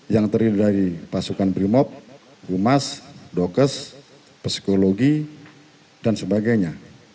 yang terdiri dari pasukan primob humas dokes psikologi dan sebagainya